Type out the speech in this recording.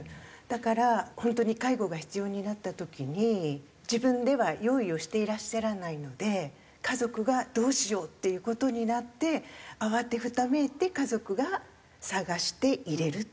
だから本当に介護が必要になった時に自分では用意をしていらっしゃらないので家族がどうしよう？っていう事になって慌てふためいて家族が探して入れるっていうような形に。